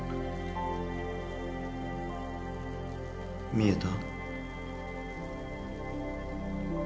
見えた？